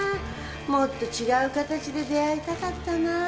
もっと違う形で出会いたかったなあ。